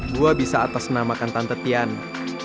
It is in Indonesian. gua bisa atasnamakan tante tianu